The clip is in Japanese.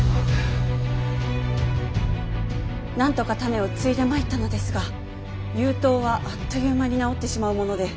なんとか種をついでまいったのですが熊痘はあっという間に治ってしまうもので。